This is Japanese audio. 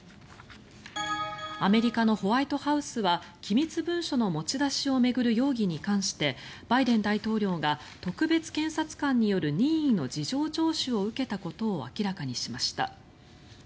アメリカのホワイトハウスは機密文書の持ち出しを巡る容疑に関してバイデン大統領が特別検察官による任意の事情聴取を受けたことを明らかにしました。